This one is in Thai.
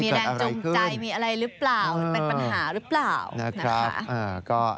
แรงจูงใจมีอะไรหรือเปล่ามันเป็นปัญหาหรือเปล่านะคะ